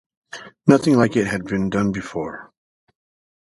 Nothing like it had been done before.